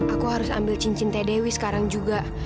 aku harus ambil cincin t dewi sekarang bu